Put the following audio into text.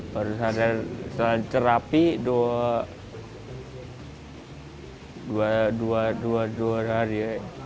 baru sadar setelah terapi dua hari